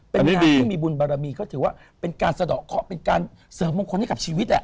เป็นงานที่มีบุญบารมีก็ถือว่าเป็นการสะดอกเคาะเป็นการเสริมมงคลให้กับชีวิต